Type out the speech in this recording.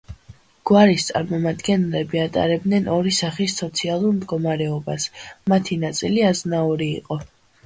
გვარის წარმომადგენლები ატარებდნენ ორი სახის სოციალურ მდგომარეობას, მათი ნაწილი აზნაური იყო.